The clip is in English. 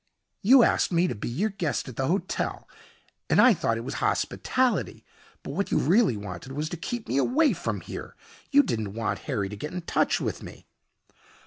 "You asked me to be your guest at the hotel, and I thought it was hospitality. But what you really wanted was to keep me away from here. You didn't want Harry to get in touch with me."